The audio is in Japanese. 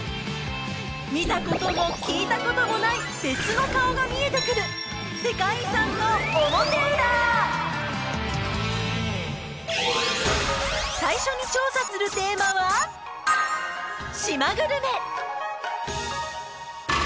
見たことも聞いたこともない別の顔が見えてくる最初に調査するテーマは「島グルメ」